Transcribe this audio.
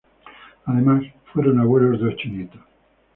Además, fueron abuelos de ocho nietos.